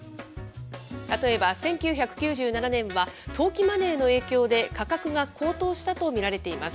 例えば１９９７年は、投機マネーの影響で、価格が高騰したと見られています。